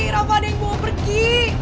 rafa ada yang mau pergi